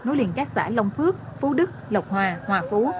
nối liền các xã long phước phú đức lộc hòa hòa phú